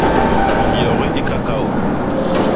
Yogi i kakaô.